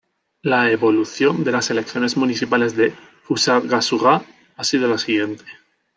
La evolución de las elecciones municipales de Fusagasugá ha sido la siguiente.